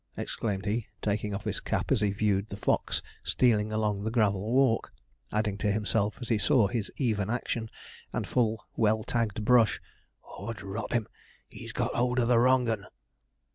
exclaimed he, taking off his cap as he viewed the fox stealing along the gravel walk; adding to himself, as he saw his even action, and full, well tagged brush, ''Ord rot him, he's got hold of the wrong 'un!'